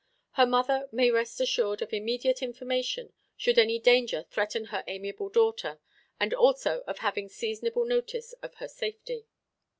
"Her mother may rest assured of immediate information, should any danger threaten her amiable daughter; and also of having seasonable notice of her safety."